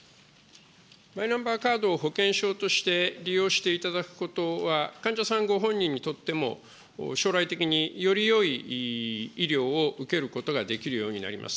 マイナンバーカードを保険証として利用していただくことは、患者さんご本人にとっても、将来的によりよい医療を受けることができるようになります。